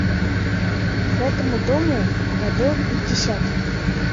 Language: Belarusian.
Гэтаму дому гадоў пяцьдзясят.